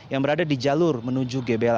yang berada di jalur menuju gebella